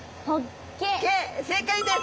正解です。